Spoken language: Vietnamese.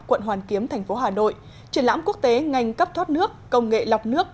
quận hoàn kiếm thành phố hà nội triển lãm quốc tế ngành cấp thoát nước công nghệ lọc nước